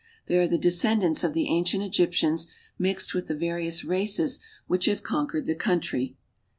They are the descendants of the ancient Egyptians mixed with the various races which have conquered the country.